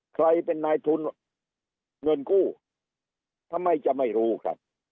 ใครเป็นนายทุนเงินกู้ทำไมจะไม่รู้ครับ